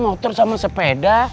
motor sama sepeda